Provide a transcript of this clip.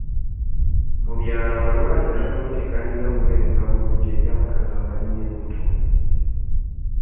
Mu byalo amalwaliro agamu tegalina buweereza bulungi eri abakazi abalina embuto.